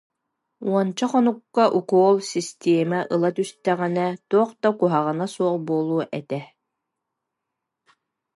Уонча хонукка укуол, систиэмэ ыла түстэҕинэ туох да куһаҕана суох буолуо этэ